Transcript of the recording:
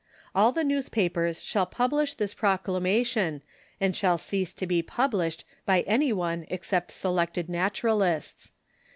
All the newspapers shall publish this proclamation, and shall cease to be published by any one except selected Naturalists.